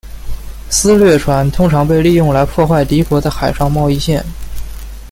私掠船通常被利用来破坏敌国的海上贸易线。